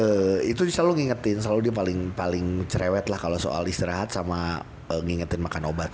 sih ini kalau ngingetin selalu dia paling cerewet lah kalo soal istirahat sama ngingetin makan obat